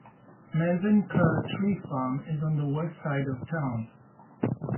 Melvin Kerr Tree Farm is on the west side of town.